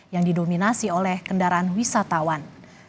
yang didominasi oleh kendaraan wisatawan